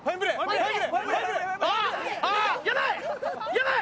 やばい！